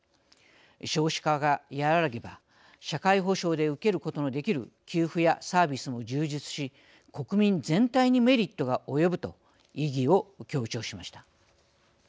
少子化が和らげば社会保障で受けることができる給付やサービスも充実し国民全体にメリットが及ぶと意義を強調しました。